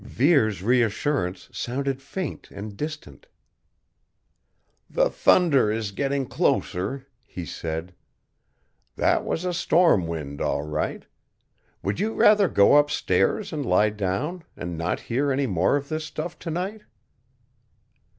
Vere's reassurance sounded faint and distant. "The thunder is getting closer," he said. "That was a storm wind, all right! Would you rather go upstairs and lie down, and not hear any more of this stuff tonight?"